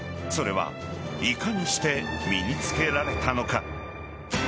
それはいかにして身に付けられたのか。